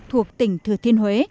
thuộc tỉnh thừa thiên huế